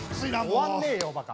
終わんねえよバカ！